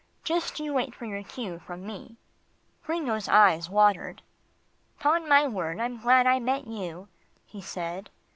Just you wait for your cue from me." Gringo's eyes watered. "'Pon my word, I'm glad I met you," he said.